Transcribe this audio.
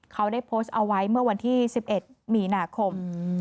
เขาได้โพสต์เอาไว้เมื่อวันที่๑๑มีนาคม